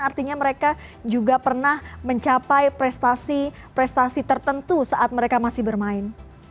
artinya mereka juga pernah mencapai prestasi prestasi tertentu saat mereka masih bermain